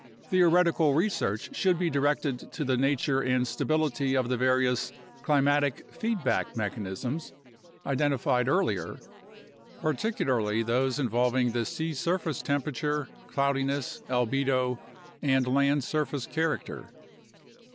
Theoretical research should be directed to the nature and stability of the various climatic feedback mechanisms identified earlier, par ticularly those involving the sea surface temperature, cloudiness, albedo, and land surface character.